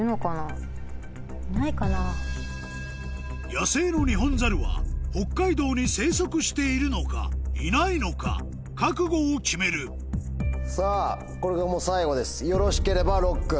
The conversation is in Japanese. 野生のニホンザルは北海道に生息しているのかいないのか覚悟を決めるさぁこれがもう最後ですよろしければＬＯＣＫ。